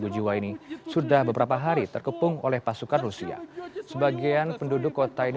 dua puluh jiwa ini sudah beberapa hari terkepung oleh pasukan rusia sebagian penduduk kota ini